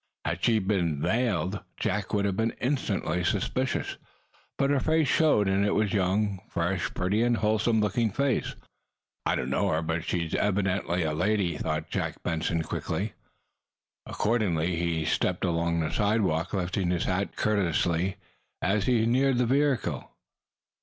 Had she been veiled, Jack would have been instantly suspicious. But her face showed, and it was a young, fresh, pretty and wholesome looking face. "I don't know her, but she is very evidently a lady," thought Jack Benson, quickly. Accordingly, he stepped along the sidewalk, lifting his hat courteously as he neared the vehicle.